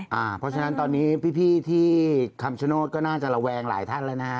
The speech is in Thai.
เพราะฉะนั้นตอนนี้พี่ที่คำชโนธก็น่าจะระแวงหลายท่านแล้วนะฮะ